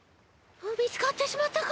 みつかってしまったか！